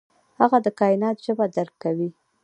هغه د کائنات ژبه درک کوي.